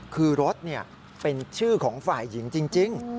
คือรถเป็นชื่อของฝ่ายหญิงจริง